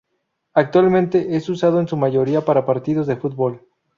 Actualmente es usado en su mayoría para partidos de fútbol.